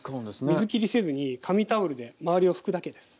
水きりせずに紙タオルで周りを拭くだけです。